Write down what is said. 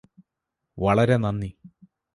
വളരെ നന്ദി